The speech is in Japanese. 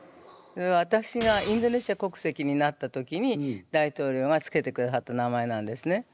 私がインドネシア国籍になった時に大統領がつけてくださった名前なんですね。